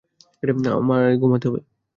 আমায় ঘুমাতে হবে।